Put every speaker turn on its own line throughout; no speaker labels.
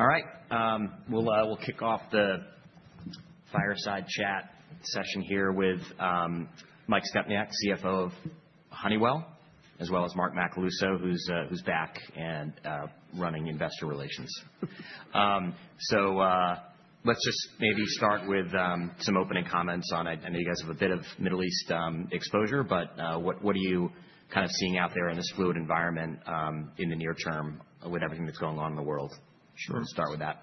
All right. We'll kick off the fireside chat session here with Mike Stepniak, CFO of Honeywell, as well as Mark Macaluso, who's back and running investor relations. Let's just maybe start with some opening comments on, I know you guys have a bit of Middle East exposure, but what are you kind of seeing out there in this fluid environment, in the near term with everything that's going on in the world?
Sure.
We'll start with that.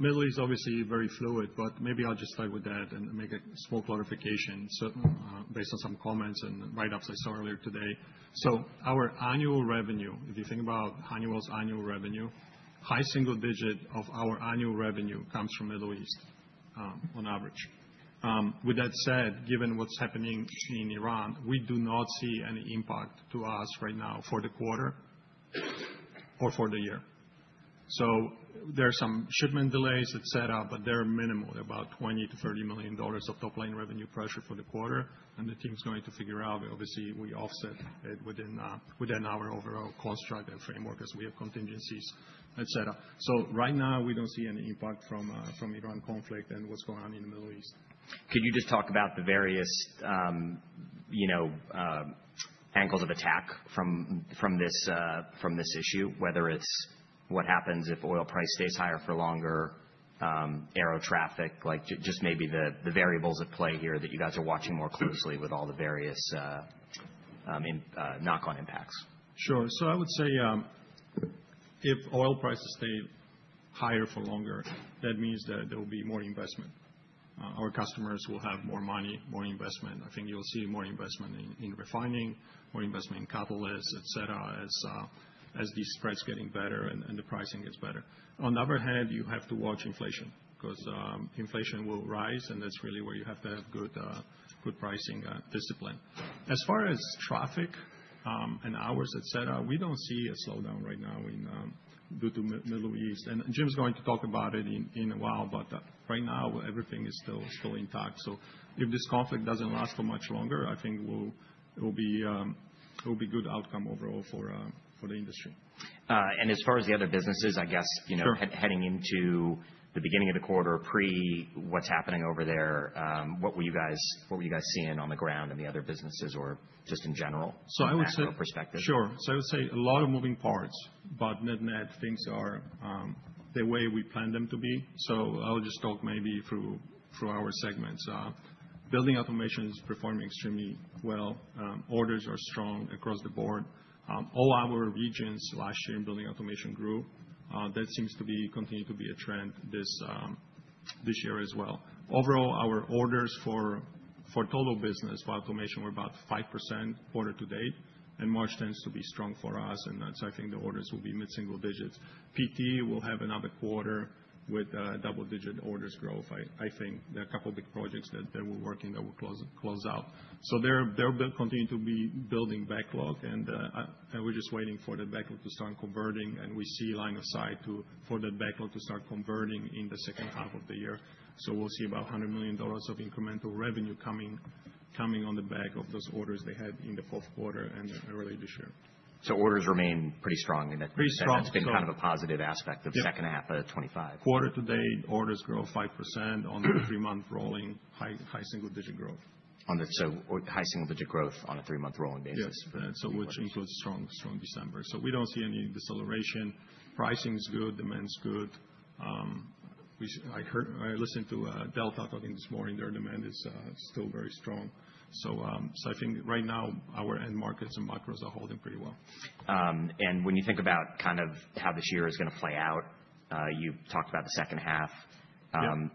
Middle East, obviously very fluid, but maybe I'll just start with that and make a small clarification. Based on some comments and write-ups I saw earlier today. Our annual revenue, if you think about Honeywell's annual revenue, high single digit of our annual revenue comes from Middle East, on average. With that said, given what's happening in Iran, we do not see any impact to us right now for the quarter or for the year. There are some shipment delays, et cetera, but they're minimal. They're about $20 million-$30 million of top-line revenue pressure for the quarter, and the team's going to figure out, obviously, we offset it within our overall construct and framework as we have contingencies, et cetera. Right now we don't see any impact from Iran conflict and what's going on in the Middle East.
Could you just talk about the various, you know, angles of attack from this issue, whether it's what happens if oil price stays higher for longer, air traffic? Like, just maybe the variables at play here that you guys are watching more closely with all the various, knock-on impacts.
Sure. I would say, if oil prices stay higher for longer, that means that there will be more investment. Our customers will have more money, more investment. I think you'll see more investment in refining, more investment in catalysts, et cetera, as these spreads getting better and the pricing gets better. On the other hand, you have to watch inflation 'cause inflation will rise, and that's really where you have to have good pricing discipline. As far as traffic and hours, et cetera, we don't see a slowdown right now due to Middle East. Jim's going to talk about it in a while, but right now everything is still intact. If this conflict doesn't last for much longer, I think it'll be good outcome overall for the industry.
As far as the other businesses, I guess.
Sure.
You know, heading into the beginning of the quarter pre what's happening over there, what were you guys seeing on the ground in the other businesses or just in general from a macro perspective?
Sure. I would say a lot of moving parts, but net-net things are the way we plan them to be. I'll just talk maybe through our segments. Building Automation is performing extremely well. Orders are strong across the board. All our regions last year in Building Automation grew. That seems to be continuing to be a trend this year as well. Overall, our orders for total business for automation were about 5% quarter to date, and March tends to be strong for us, and that's, I think, the orders will be mid-single digits. PT will have another quarter with double-digit orders growth, I think. There are a couple of big projects that they were working that will close out. There will continue to be Building backlog and we're just waiting for the backlog to start converting, and we see line of sight for that backlog to start converting in the second half of the year. We'll see about $100 million of incremental revenue coming on the back of those orders they had in the fourth quarter and early this year.
Orders remain pretty strong.
Pretty strong.
That's been kind of a positive aspect of second half of 2025.
Quarter to date, orders grow 5% on a three-month rolling high, high single digit growth.
Our high single-digit growth on a three-month rolling basis.
Yes. Which includes strong December. We don't see any deceleration. Pricing is good. Demand's good. I heard Delta talking this morning. Their demand is still very strong. I think right now our end markets and macros are holding pretty well.
When you think about kind of how this year is gonna play out, you talked about the second half.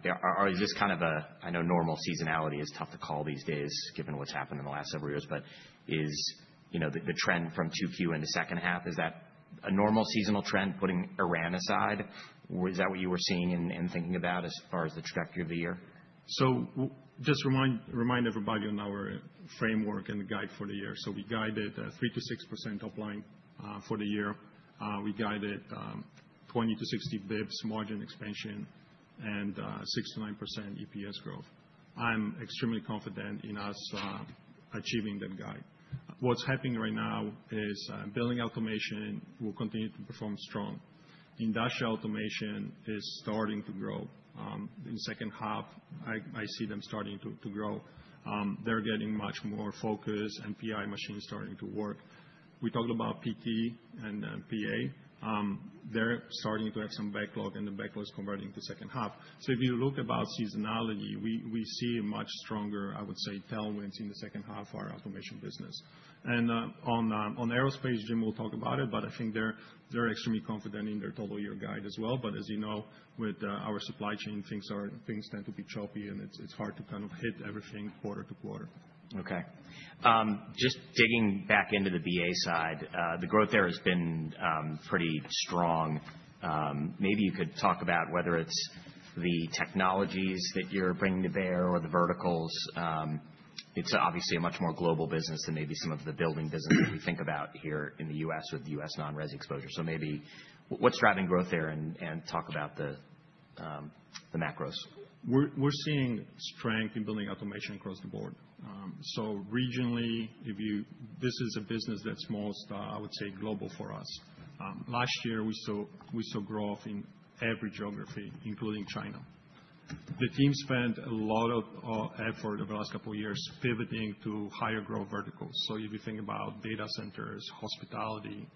Yeah.
Is this kind of a, I know normal seasonality is tough to call these days given what's happened in the last several years, but is, you know, the trend from 2Q in the second half, is that a normal seasonal trend, putting Iran aside? Was that what you were seeing and thinking about as far as the trajectory of the year?
Just remind everybody on our framework and the guide for the year. We guided 3%-6% top line for the year. We guided 20-60 basis points margin expansion and 6%-9% EPS growth. I'm extremely confident in us achieving that guide. What's happening right now is Building Automation will continue to perform strong. Industrial Automation is starting to grow in the second half. I see them starting to grow. They're getting much more focus, and PI machine is starting to work. We talked about PT and PA. They're starting to have some backlog, and the backlog's converting to second half. If you look at seasonality, we see a much stronger, I would say, tailwinds in the second half of our automation business. On Aerospace, Jim will talk about it, but I think they're extremely confident in their total year guide as well. As you know, with our supply chain, things tend to be choppy, and it's hard to kind of hit everything quarter to quarter.
Okay. Just digging back into the BA side, the growth there has been pretty strong. Maybe you could talk about whether it's the technologies that you're bringing to bear or the verticals. It's obviously a much more global business than maybe some of the Building business if you think about here in the U.S. with the U.S. non-res exposure. Maybe what's driving growth there and talk about the macros.
We're seeing strength in Building Automation across the board. Regionally, this is a business that's most global for us. Last year, we saw growth in every geography, including China. The team spent a lot of effort over the last couple of years pivoting to higher growth verticals. If you think about data centers, hospitality,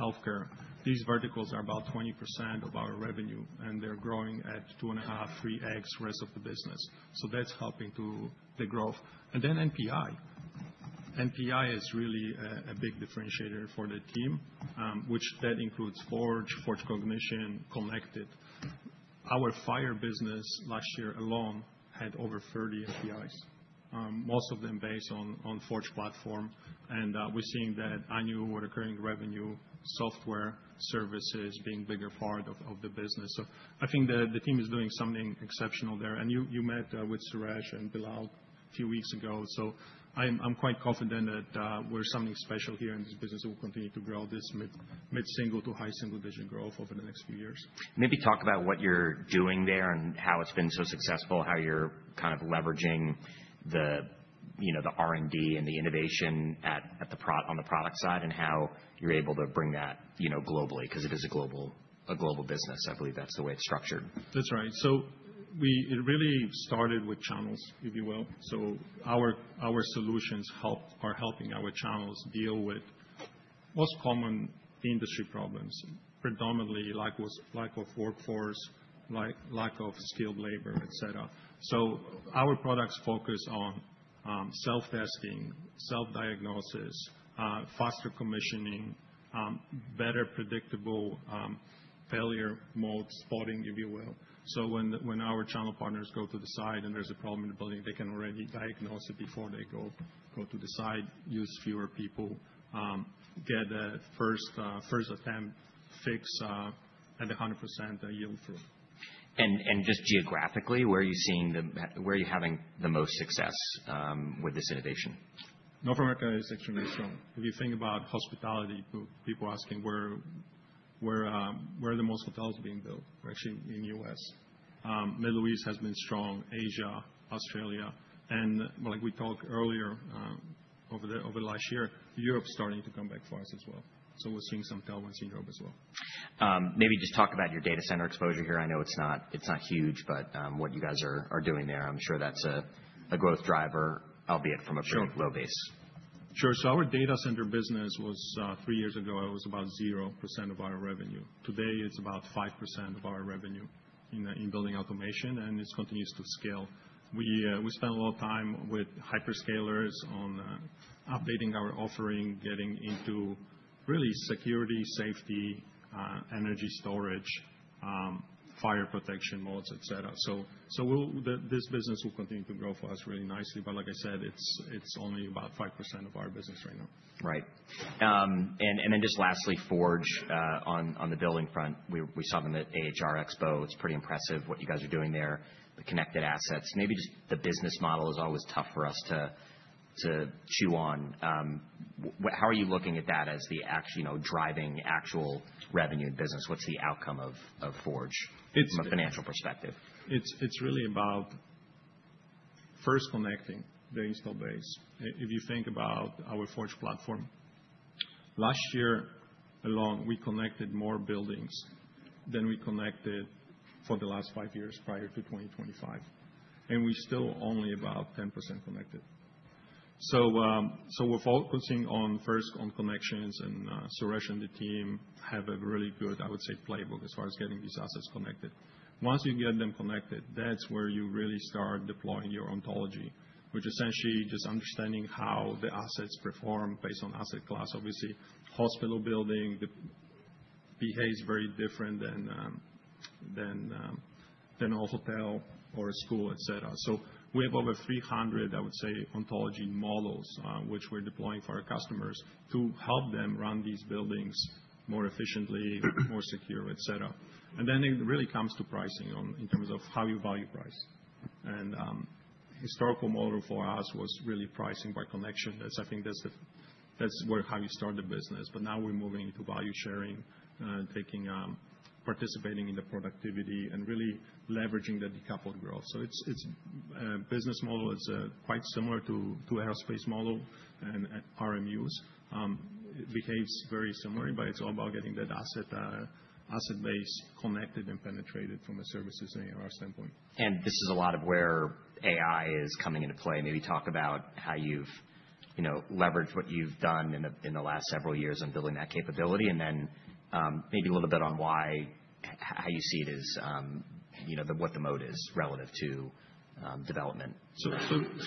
healthcare, these verticals are about 20% of our revenue, and they're growing at 2.5x, 3x rest of the business. That's helping to the growth. Then NPI. NPI is really a big differentiator for the team, which includes Forge, Forge Cognition, Connected. Our fire business last year alone had over 30 NPIs, most of them based on Forge platform. We're seeing that annual recurring revenue, software services being bigger part of the business. I think the team is doing something exceptional there. You met with Suresh and Billal a few weeks ago, so I'm quite confident that we're something special here, and this business will continue to grow this mid-single to high single-digit growth over the next few years.
Maybe talk about what you're doing there and how it's been so successful, how you're kind of leveraging the, you know, the R&D and the innovation at, on the product side, and how you're able to bring that, you know, globally, 'cause it is a global business. I believe that's the way it's structured.
That's right. It really started with channels, if you will. Our solutions are helping our channels deal with what's common industry problems, predominantly lack of workforce, like lack of skilled labor, et cetera. Our products focus on self-testing, self-diagnosis, faster commissioning, better predictable failure mode spotting, if you will. When our channel partners go to the site and there's a problem in the building, they can already diagnose it before they go to the site, use fewer people, get a first attempt fix at 100% yield fruit.
Just geographically, where are you having the most success with this innovation?
North America is extremely strong. If you think about hospitality, people asking where are the most hotels being built? We're actually in the U.S. Middle East has been strong, Asia, Australia. Like we talked earlier, over the last year, Europe's starting to come back for us as well. We're seeing some tailwinds in Europe as well.
Maybe just talk about your data center exposure here. I know it's not huge, but what you guys are doing there, I'm sure that's a growth driver, albeit from a pretty low base.
Sure. Our data center business was three years ago, it was about 0% of our revenue. Today, it's about 5% of our revenue in Building Automation, and this continues to scale. We spent a lot of time with hyperscalers on updating our offering, getting into really security, safety, energy storage, fire protection modes, et cetera. This business will continue to grow for us really nicely. Like I said, it's only about 5% of our business right now.
Right. Then just lastly, Forge, on the Building front, we saw them at AHR Expo. It's pretty impressive what you guys are doing there, the connected assets. Maybe just the business model is always tough for us to chew on. How are you looking at that as you know, driving actual revenue business? What's the outcome of Forge?
It's-
From a financial perspective?
It's really about first connecting the install base. If you think about our Forge platform, last year alone, we connected more buildings than we connected for the last five years, prior to 2025. We're still only about 10% connected. We're focusing on first on connections, and Suresh and the team have a really good, I would say, playbook as far as getting these assets connected. Once you get them connected, that's where you really start deploying your ontology, which essentially just understanding how the assets perform based on asset class. Obviously, hospital building behaves very different than a hotel or a school, et cetera. We have over 300, I would say, ontology models, which we're deploying for our customers to help them run these buildings more efficiently, more secure, et cetera. It really comes to pricing on, in terms of how you value price. Historical model for us was really pricing by connection. That's, I think, where, how you start the business. Now we're moving into value sharing, taking, participating in the productivity and really leveraging the decoupled growth. It's business model is quite similar to Aerospace model and RMUs. It behaves very similarly, but it's all about getting that asset base connected and penetrated from a services and AR standpoint.
This is a lot of where AI is coming into play. Maybe talk about how you've, you know, leveraged what you've done in the last several years on building that capability, and then maybe a little bit on how you see it as, you know, the, what the mode is relative to development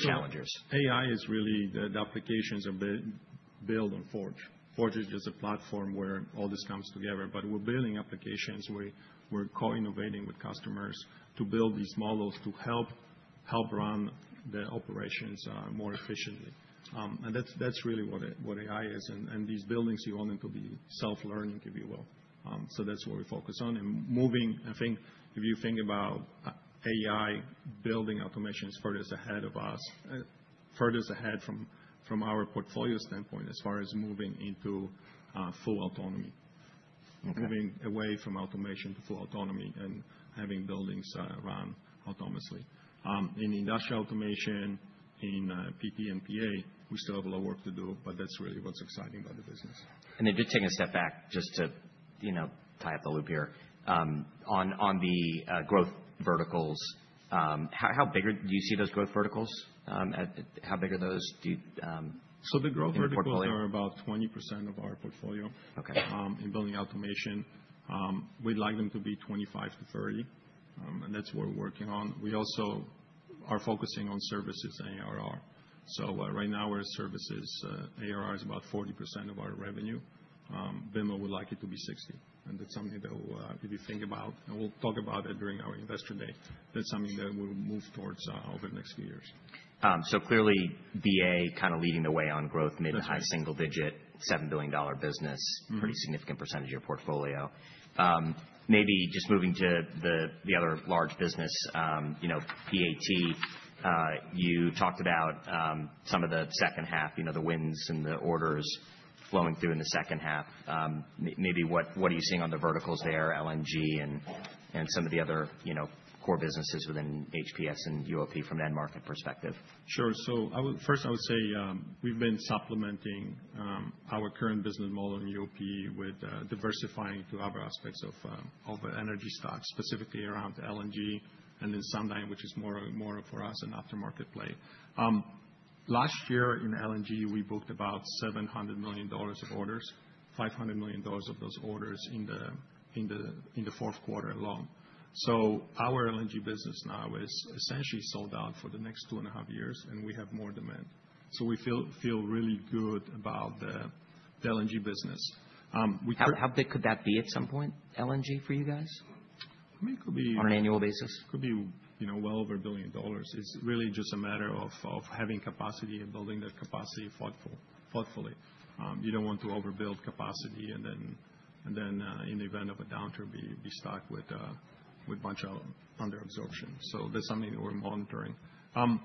challenges.
AI is really the applications are built on Forge. Forge is a platform where all this comes together, but we're building applications, we're co-innovating with customers to build these models to help run the operations more efficiently. That's really what AI is. These buildings, you want them to be self-learning, if you will. That's what we focus on. I think if you think about AI, Building Automation is furthest ahead of us. Furthest ahead from our portfolio standpoint, as far as moving into full autonomy.
Okay.
Moving away from automation to full autonomy and having buildings run autonomously. In Industrial Automation, in P&P and PA, we still have a lot of work to do, but that's really what's exciting about the business.
Just taking a step back just to, you know, tie up the loop here. On the growth verticals, how big do you see those growth verticals? How big are those?
The growth verticals.
In the portfolio.
Are about 20% of our portfolio.
Okay.
In Building Automation. We'd like them to be 25%-30%, and that's what we're working on. We also are focusing on services and ARR. Right now, our services ARR is about 40% of our revenue. Vimal would like it to be 60%, and that's something that we'll really think about, and we'll talk about it during our investor day. That's something that we'll move towards over the next few years.
Clearly BA kind of leading the way on growth-
That's right.
mid- to high-single-digit $7 billion business.
Mm-hmm.
Pretty significant percentage of your portfolio. Maybe just moving to the other large business, you know, PAT. You talked about some of the second half, you know, the wins and the orders flowing through in the second half. Maybe what are you seeing on the verticals there, LNG and some of the other, you know, core businesses within HPS and UOP from that market perspective?
Sure. I would say, we've been supplementing our current business model in UOP with diversifying to other aspects of energy stocks, specifically around LNG and then Sundyne, which is more for us an aftermarket play. Last year in LNG, we booked about $700 million of orders, $500 million of those orders in the fourth quarter alone. Our LNG business now is essentially sold out for the next two and a half years, and we have more demand. We feel really good about the LNG business.
How big could that be at some point, LNG for you guys?
I mean, it could be.
On an annual basis.
Could be, you know, well over $1 billion. It's really just a matter of having capacity and building that capacity thoughtfully. You don't want to overbuild capacity and then in the event of a downturn, be stuck with a bunch of under absorption. So that's something we're monitoring. On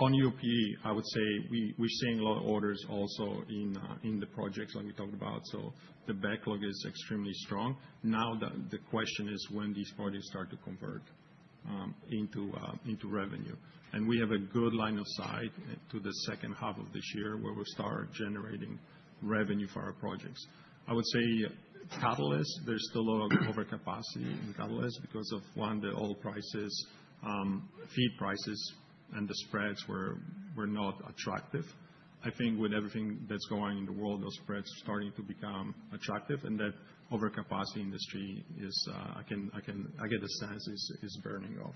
UOP, I would say we're seeing a lot of orders also in the projects like we talked about. So the backlog is extremely strong. Now the question is when these projects start to convert into revenue. We have a good line of sight to the second half of this year where we'll start generating revenue for our projects. I would say Catalyst, there's still a lot of overcapacity in Catalyst because of one, the oil prices, feed prices and the spreads were not attractive. I think with everything that's going in the world, those spreads are starting to become attractive and that overcapacity industry is. I get a sense is burning off.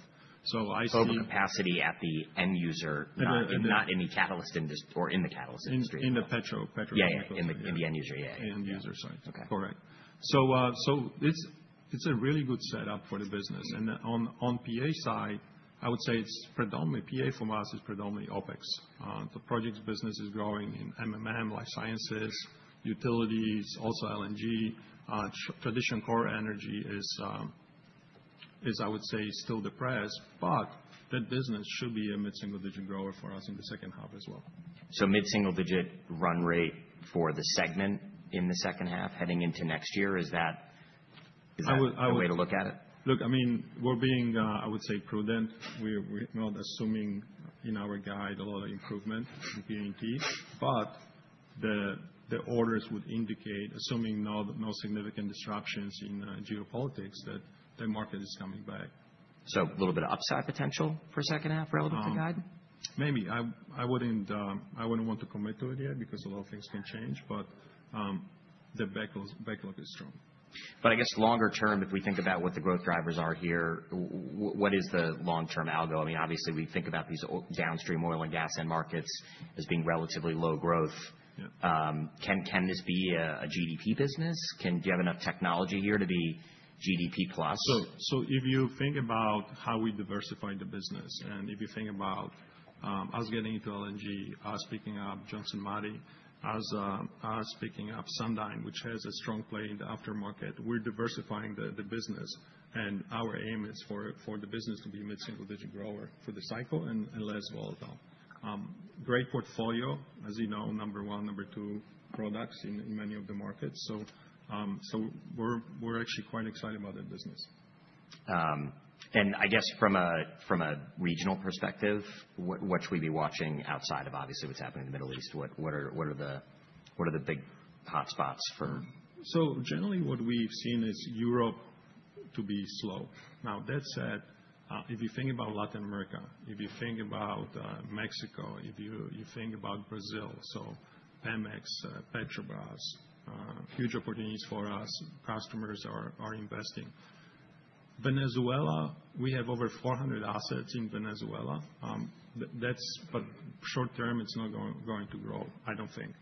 Overcapacity at the end user.
In the, in the-
Not in the Catalyst or in the Catalyst industry.
In the petrochemicals.
Yeah. In the end user. Yeah.
End user side.
Okay.
Correct. It's a really good setup for the business. On PA side, I would say it's predominantly PA for us, predominantly OpEx. The projects business is growing in MMM, life sciences, utilities, also LNG. Traditional core energy is I would say still depressed. That business should be a mid-single digit grower for us in the second half as well.
Mid-single-digit run rate for the segment in the second half heading into next year. Is that-
I would.
Is that the way to look at it?
Look, I mean, we're being, I would say prudent. We're not assuming in our guide a lot of improvement in PA&T, but the orders would indicate, assuming no significant disruptions in geopolitics, that the market is coming back.
A little bit of upside potential for second half relevant to guide?
Maybe. I wouldn't want to commit to it yet because a lot of things can change. The backlog is strong.
I guess longer term, if we think about what the growth drivers are here, what is the long-term algo? I mean, obviously we think about these downstream oil and gas end markets as being relatively low growth.
Yeah.
Can this be a GDP business? Do you have enough technology here to be GDP plus?
If you think about how we diversify the business, and if you think about us getting into LNG, us picking up Johnson Matthey, us picking up Sundyne, which has a strong play in the aftermarket, we're diversifying the business. Our aim is for the business to be mid-single-digit grower for the cycle and less volatile. Great portfolio, as you know, number one, number two products in many of the markets. We're actually quite excited about the business.
I guess from a regional perspective, what should we be watching outside of obviously what's happening in the Middle East? What are the big hotspots for?
Generally, what we've seen is Europe to be slow. Now, that said, if you think about Latin America, if you think about Mexico, if you think about Brazil. Pemex, Petrobras, huge opportunities for us, customers are investing. Venezuela, we have over 400 assets in Venezuela. Short term, it's not going to grow, I don't think.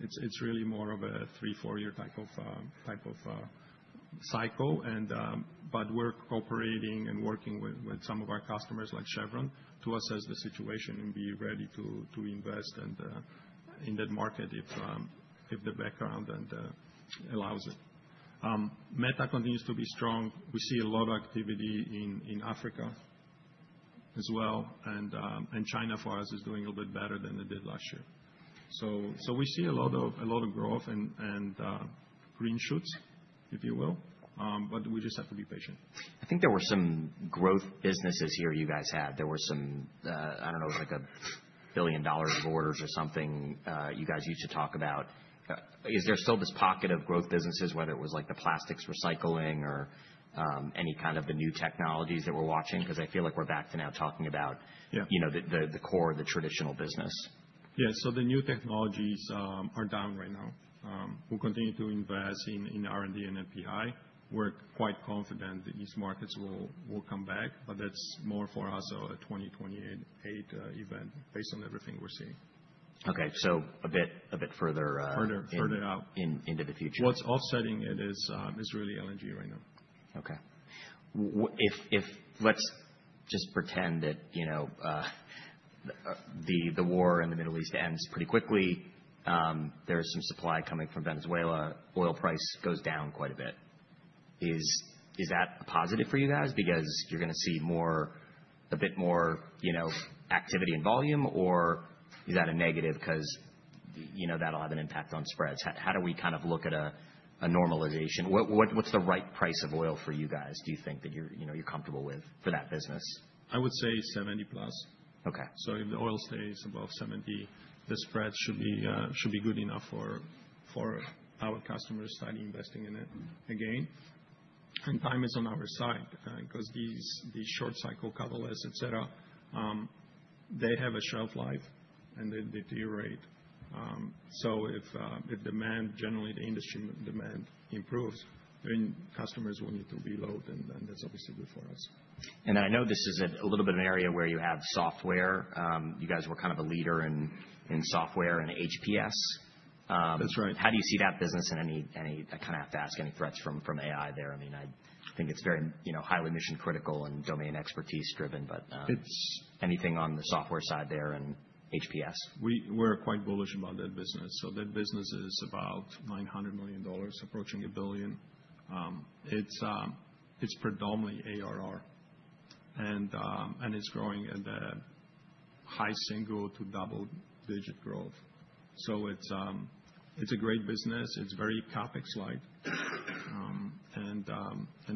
It's really more of a three, four year type of cycle. We're cooperating and working with some of our customers, like Chevron, to assess the situation and be ready to invest in that market if the background allows it. MENA continues to be strong. We see a lot of activity in Africa as well. China for us is doing a little bit better than it did last year. We see a lot of growth and green shoots, if you will, but we just have to be patient.
I think there were some growth businesses here you guys had. There were some, I don't know, like $1 billion of orders or something, you guys used to talk about. Is there still this pocket of growth businesses, whether it was like the plastics recycling or, any kind of the new technologies that we're watching?
Mm-hmm.
'Cause I feel like we're back to now talking about.
Yeah
You know, the core, the traditional business.
The new technologies are down right now. We'll continue to invest in R&D and NPI. We're quite confident that these markets will come back, but that's more for us a 2028 event based on everything we're seeing.
Okay. A bit further.
Further out.
Into the future.
What's offsetting it is really LNG right now.
Okay. Let's just pretend that, you know, the war in the Middle East ends pretty quickly. There is some supply coming from Venezuela. Oil price goes down quite a bit. Is that a positive for you guys because you're gonna see more, a bit more, you know, activity and volume? Or is that a negative 'cause you know that'll have an impact on spreads? How do we kind of look at a normalization? What's the right price of oil for you guys, do you think that you're, you know, you're comfortable with for that business?
I would say 70+.
Okay.
If the oil stays above $70, the spread should be good enough for our customers to start investing in it again. Time is on our side, 'cause these short cycle catalysts, et cetera, they have a shelf life, and they deteriorate. If demand, generally the industry demand improves, then customers will need to reload, and then that's obviously good for us.
I know this is a little bit of an area where you have software. You guys were kind of a leader in software and HPS.
That's right.
How do you see that business? Any, I kind of have to ask, any threats from AI there? I mean, I think it's very, you know, highly mission critical and domain expertise driven, but...
It's-
Anything on the software side there and HPS?
We're quite bullish about that business. That business is about $900 million, approaching $1 billion. It's predominantly ARR, and it's growing at a high single to double-digit growth. It's a great business. It's very CapEx-like.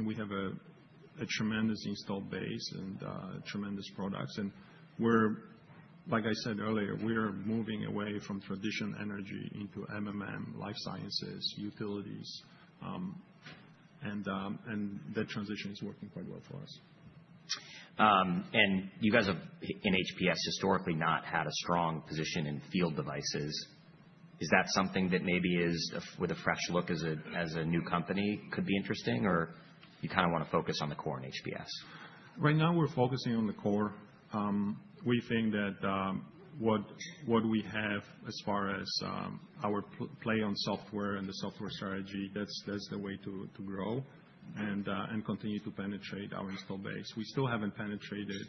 We have a tremendous installed base and tremendous products. Like I said earlier, we're moving away from traditional energy into MMM, life sciences, utilities, and that transition is working quite well for us.
You guys have in HPS historically not had a strong position in field devices. Is that something that maybe, with a fresh look as a new company, could be interesting, or you kinda wanna focus on the core in HPS?
Right now, we're focusing on the core. We think that what we have as far as our play on software and the software strategy, that's the way to grow and continue to penetrate our install base. We still haven't penetrated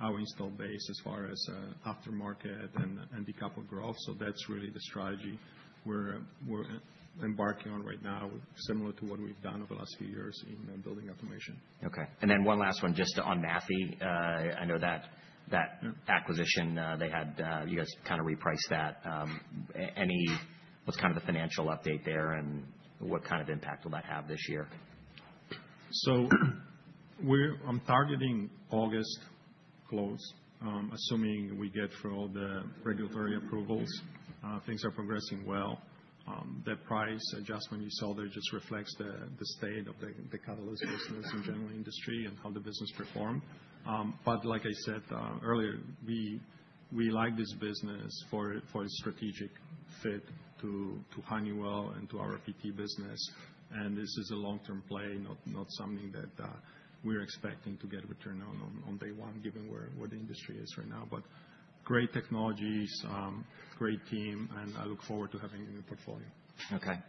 our install base as far as aftermarket and decoupled growth. That's really the strategy we're embarking on right now, similar to what we've done over the last few years in Building Automation.
Okay. One last one, just on Matthey. I know that acquisition, they had you guys kinda repriced that. What's kind of the financial update there, and what kind of impact will that have this year?
We're targeting August close, assuming we get through all the regulatory approvals. Things are progressing well. The price adjustment you saw there just reflects the state of the Catalyst business and general industry and how the business performed. Like I said earlier, we like this business for its strategic fit to Honeywell and to our PT business. This is a long-term play, not something that we're expecting to get a return on day one, given where the industry is right now, but great technologies, great team, and I look forward to having it in the portfolio.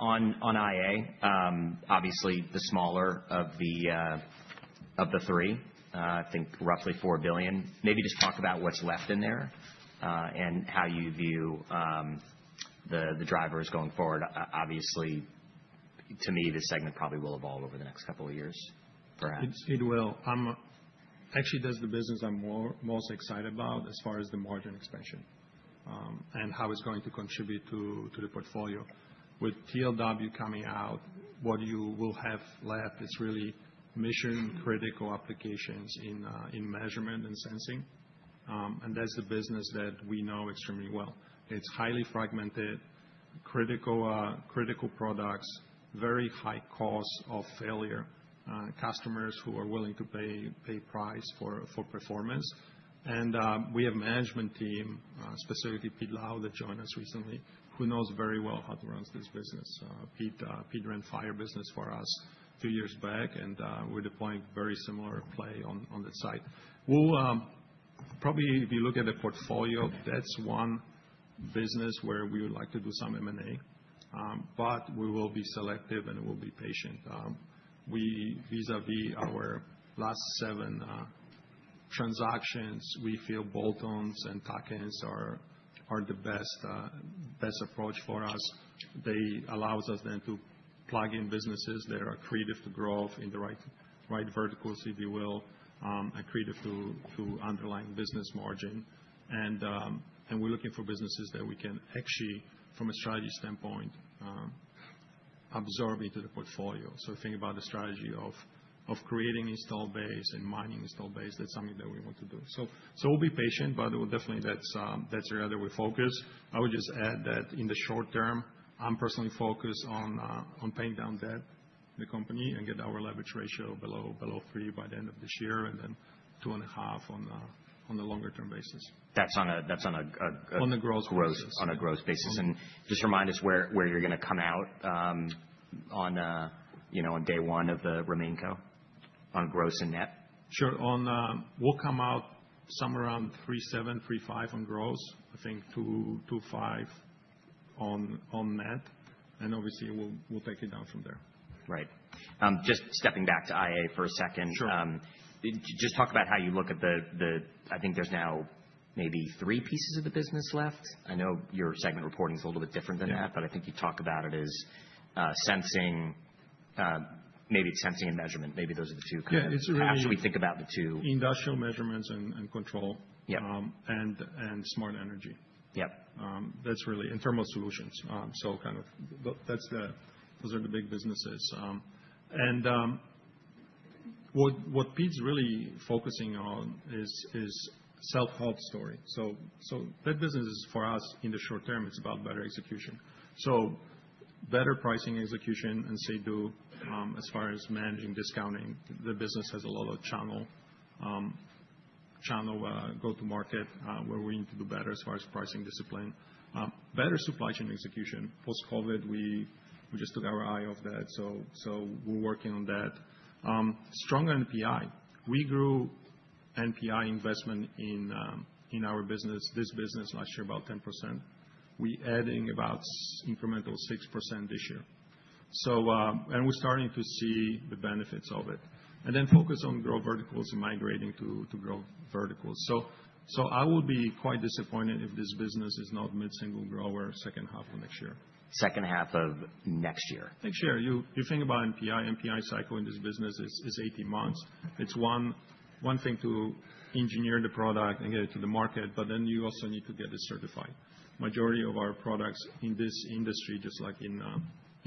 On IA, obviously the smaller of the three, I think roughly $4 billion. Maybe just talk about what's left in there and how you view the drivers going forward. Obviously to me, this segment probably will evolve over the next couple of years, perhaps.
It will. Actually, that's the business I'm most excited about as far as the margin expansion and how it's going to contribute to the portfolio. With TLW coming out, what you will have left is really mission-critical applications in measurement and sensing, and that's the business that we know extremely well. It's highly fragmented, critical products, very high cost of failure, customers who are willing to pay price for performance. We have management team, specifically Peter Lau, that joined us recently, who knows very well how to run this business. Peter ran fire business for us two years back, and we're deploying very similar play on that side. Probably if you look at the portfolio, that's one business where we would like to do some M&A. We will be selective, and we'll be patient. Vis-à-vis our last seven transactions, we feel bolt-ons and tuck-ins are the best approach for us. They allow us then to plug in businesses that are accretive to growth in the right verticals, if you will, accretive to underlying business margin. And we're looking for businesses that we can actually from a strategy standpoint absorb into the portfolio. Think about the strategy of creating installed base and mining installed base, that's something that we want to do. We'll be patient, but definitely that's the area that we're focused. I would just add that in the short term, I'm personally focused on paying down debt in the company and get our leverage ratio below 3x by the end of this year and then 2.5x on the longer-term basis.
That's on a.
On a growth basis.
On a growth basis. Just remind us where you're gonna come out, you know, on day one of the RemainCo on gross and net.
Sure. On we'll come out somewhere around 37%-35% on gross. I think 22%-25% on net, and obviously we'll take it down from there.
Right. Just stepping back to IA for a second.
Sure.
Just talk about how you look at the, I think there's now maybe three pieces of the business left. I know your segment reporting is a little bit different than that.
Yeah.
I think you talk about it as sensing, maybe it's sensing and measurement. Maybe those are the two kind of-
Yeah. It's really.
How should we think about the two?
Industrial measurements and control.
Yeah.
Smart energy.
Yeah.
That's really and thermal solutions. Kind of. That's the those are the big businesses. What Pete's really focusing on is self-help story. That business is for us in the short term. It's about better execution. Better pricing execution as far as managing discounting. The business has a lot of channel go-to-market where we need to do better as far as pricing discipline. Better supply chain execution. Post-COVID, we just took our eye off that. We're working on that. Stronger NPI. We grew NPI investment in our business, this business last year about 10%. We're adding about incremental 6% this year. We're starting to see the benefits of it. And then focus on growth verticals and migrating to growth verticals. I would be quite disappointed if this business is not mid-single grower second half of next year.
Second half of next year?
Next year. You think about NPI cycle in this business is 18 months. It's one thing to engineer the product and get it to the market, but then you also need to get it certified. Majority of our products in this industry, just like in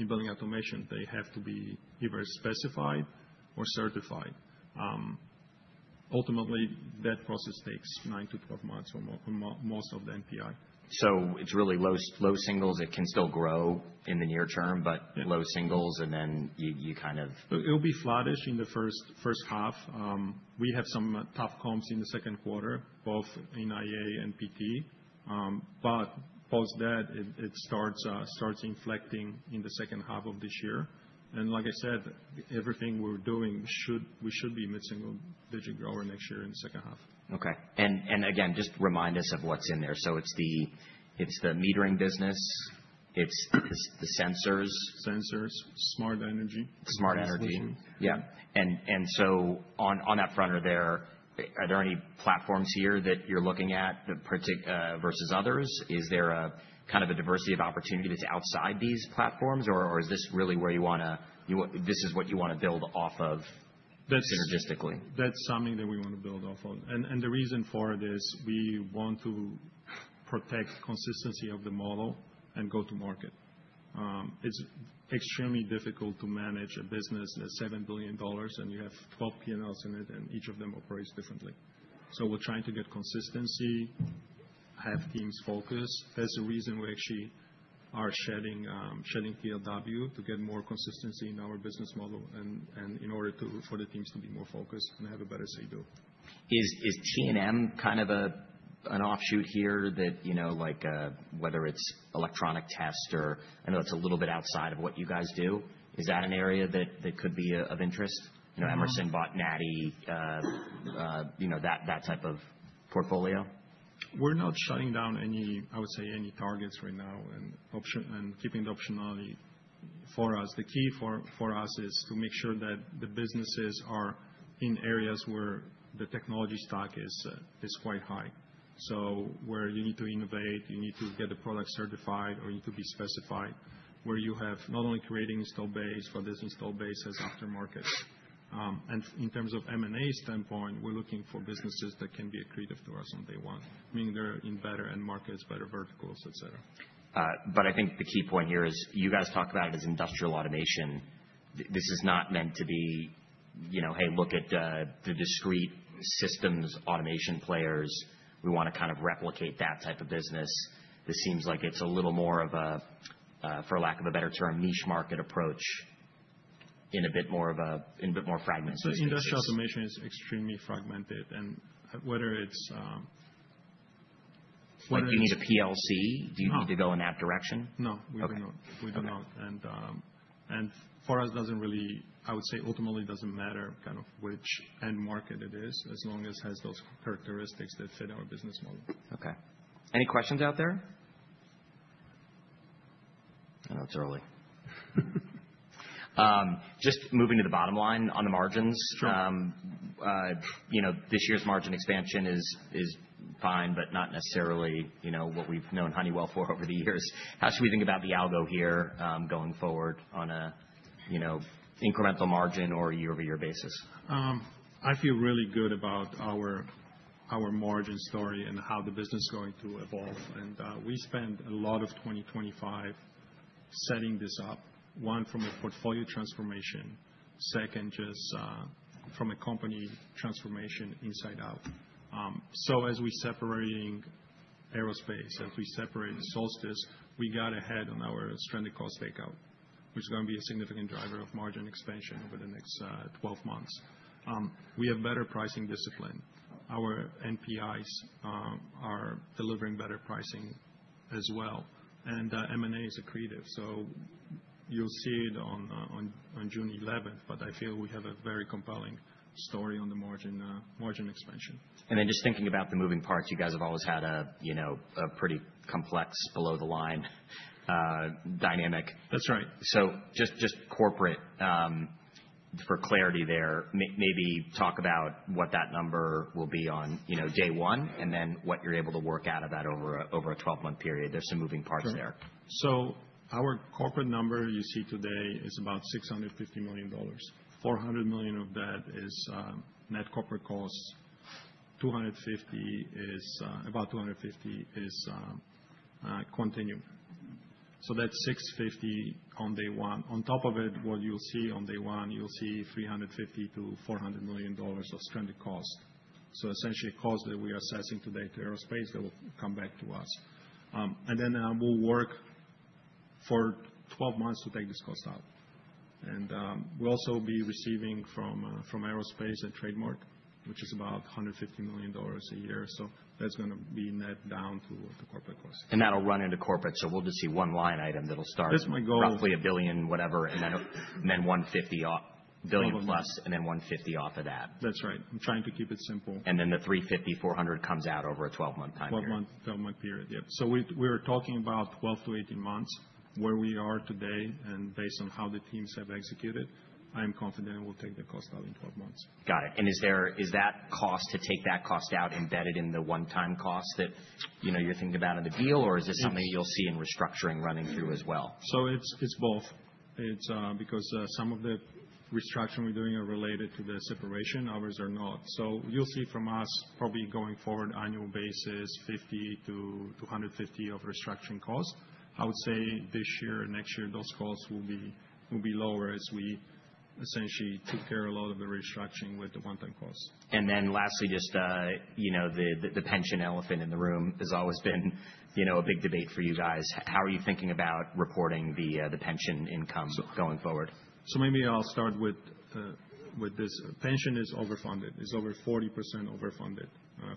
Building Automation, they have to be either specified or certified. Ultimately, that process takes nine to 12 months for most of the NPI.
It's really low singles. It can still grow in the near term.
Yeah.
Low singles, and then you kind of...
It'll be flattish in the first half. We have some tough comps in the second quarter, both in IA and PT. But post that, it starts inflecting in the second half of this year. Like I said, everything we're doing, we should be mid-single digit grower next year in the second half.
Okay. Again, just remind us of what's in there. It's the metering business, it's the sensors.
Sensors, smart energy.
Smart energy.
Yeah.
On that front, are there any platforms here that you're looking at versus others? Is there a kind of a diversity of opportunity that's outside these platforms? Is this really where you wanna this is what you wanna build off of synergistically?
That's something that we wanna build off of. The reason for it is we want to protect consistency of the model and go to market. It's extremely difficult to manage a business that's $7 billion, and you have 12 P&Ls in it, and each of them operates differently. We're trying to get consistency, have teams focus. There's a reason we actually are shedding PLW to get more consistency in our business model and in order for the teams to be more focused and have a better say do.
Is T&M kind of an offshoot here that, you know, like, whether it's electronic test or I know it's a little bit outside of what you guys do. Is that an area that could be of interest? You know, Emerson bought NI, you know, that type of portfolio.
We're not shutting down any, I would say any targets right now and keeping the optionality for us. The key for us is to make sure that the businesses are in areas where the technology stock is quite high. Where you need to innovate, you need to get the product certified or you need to be specified, where you have not only creating installed base, but this installed base has aftermarket. In terms of M&A standpoint, we're looking for businesses that can be accretive to us on day one, meaning they're in better end markets, better verticals, et cetera.
I think the key point here is you guys talk about it as Industrial Automation. This is not meant to be, you know, hey, look at the discrete systems automation players. We wanna kind of replicate that type of business. This seems like it's a little more of a, for lack of a better term, niche market approach in a bit more fragmented businesses.
Industrial Automation is extremely fragmented. Whether it's
Like, do you need a PLC?
No.
Do you need to go in that direction?
No, we do not.
Okay.
We do not. For us, it doesn't really, I would say, ultimately, it doesn't matter kind of which end market it is, as long as it has those characteristics that fit our business model.
Okay. Any questions out there? I know it's early. Just moving to the bottom line on the margins.
Sure.
You know, this year's margin expansion is fine, but not necessarily, you know, what we've known Honeywell for over the years. How should we think about the algo here, going forward on a, you know, incremental margin or a year-over-year basis?
I feel really good about our margin story and how the business is going to evolve. We spent a lot of 2025 setting this up, one, from a portfolio transformation, second, just, from a company transformation inside out. As we're separating Aerospace, as we separate Solstice, we got ahead on our stranded cost takeout, which is gonna be a significant driver of margin expansion over the next twelve months. We have better pricing discipline. Our NPIs are delivering better pricing as well. M&A is accretive, so you'll see it on June 11th, but I feel we have a very compelling story on the margin expansion.
Just thinking about the moving parts, you guys have always had a, you know, a pretty complex below the line dynamic.
That's right.
Just corporate, for clarity there, maybe talk about what that number will be on, you know, day one, and then what you're able to work out of that over a 12-month period. There's some moving parts there.
Sure. Our corporate number you see today is about $650 million. $400 million of that is net corporate costs, $250 million is Quantinuum. That's $650 million on day one. On top of it, what you'll see on day one, you'll see $350 million-$400 million of stranded costs. Essentially costs that we are assessing today to Aerospace that will come back to us. We'll work for 12 months to take this cost out. We'll also be receiving from Aerospace a trademark, which is about $150 million a year. That's gonna be net down to the corporate costs.
That'll run into corporate, so we'll just see one line item that'll start.
That's my goal.
Roughly $1 billion whatever, and then 150 off. $1 billion plus-
All of that.
$150 off of that.
That's right. I'm trying to keep it simple.
The $350-$400 comes out over a 12-month time period.
12-month period. Yeah. We're talking about 12-18 months. Where we are today and based on how the teams have executed, I am confident we'll take the cost out in 12 months.
Got it. Is that cost to take that cost out embedded in the one-time cost that, you know, you're thinking about in the deal?
Yes.
Is it something you'll see in restructuring running through as well?
It's both. It's because some of the restructuring we're doing are related to the separation, others are not. You'll see from us probably going forward on an annual basis $50-$250 of restructuring costs. I would say this year and next year, those costs will be lower as we essentially took care of a lot of the restructuring with the one-time costs.
Lastly, just, you know, the pension elephant in the room has always been, you know, a big debate for you guys. How are you thinking about reporting the pension income going forward?
Maybe I'll start with this. Pension is overfunded. It's over 40% overfunded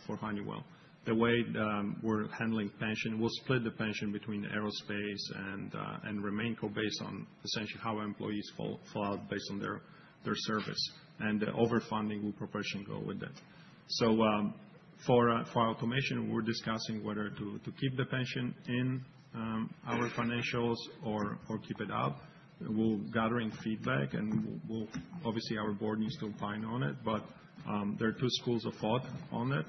for Honeywell. The way we're handling pension, we'll split the pension between the Aerospace and RemainCo based on essentially how employees fall out based on their service. The overfunding will proportionally go with that. For automation, we're discussing whether to keep the pension in our financials or keep it out. We're gathering feedback. Obviously, our board needs to opine on it. There are two schools of thought on it.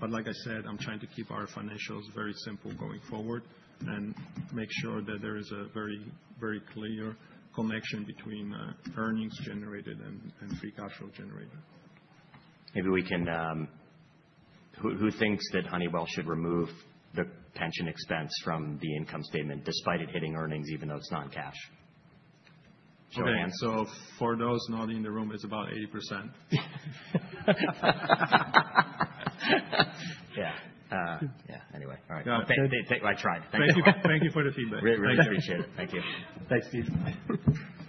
But like I said, I'm trying to keep our financials very simple going forward and make sure that there is a very, very clear connection between earnings generated and free cash flow generated.
Maybe we can, who thinks that Honeywell should remove the pension expense from the income statement despite it hitting earnings, even though it's non-cash? Show of hands.
Okay. For those not in the room, it's about 80%.
Yeah. Yeah. Anyway. All right.
No.
Thank, I tried. Thank you.
Thank you. Thank you for the feedback.
Great. Appreciate it. Thank you.
Thanks, Steve.
Bye.